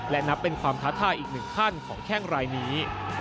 และนับเป็นความท้าทายอีกหนึ่งขั้นของแข้งรายนี้